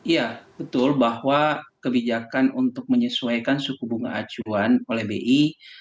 ya betul bahwa kebijakan untuk menyesuaikan suku bunga acuan oleh bi